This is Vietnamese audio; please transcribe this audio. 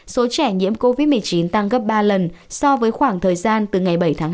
số trẻ nhiễm covid một mươi chín tăng gấp ba lần so với khoảng thời gian từ ngày bảy tháng hai đến một mươi ba tháng hai